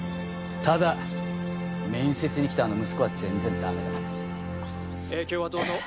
ただ面接に来たあの息子は全然ダメだ。